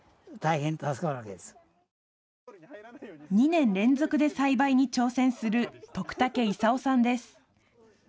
２年連続で栽培に挑戦する徳竹功さんです。